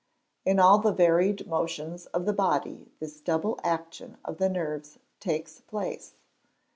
In all the varied motions of the body this double action of the nerves takes place.